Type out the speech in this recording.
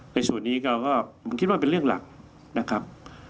ในส่วนนี้เราก็ผมคิดว่าเป็นเรื่องหลักนะครับ